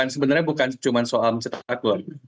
sebenarnya bukan cuma soal mencetak akun